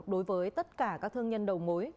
đối với tất cả các thương nhân đầu mối